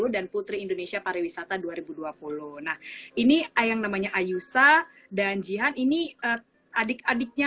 dua ribu dua puluh dan putri indonesia pariwisata dua ribu dua puluh nah ini ayam namanya ayusa dan jihan ini adik adiknya